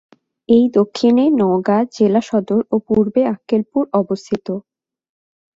এই দক্ষিণে নওগাঁ জেলা সদর ও পূর্বে আক্কেলপুর অবস্থিত।